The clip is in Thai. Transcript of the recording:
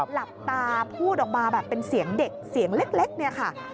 หลับตาพูดออกมาแบบเป็นเสียงเด็กเสียงเล็กเนี่ยค่ะ